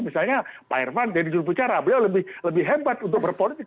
misalnya pak irvan jadi jurubicara beliau lebih hebat untuk berpolitik